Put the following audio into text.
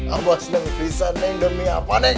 abah seneng bisa neng demi apa neng